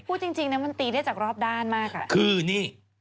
พูดจริงจริงนะมันตีได้จากรอบด้านมากอ่ะคือนี่